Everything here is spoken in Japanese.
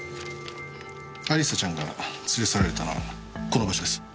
亜里沙ちゃんが連れ去られたのはこの場所です。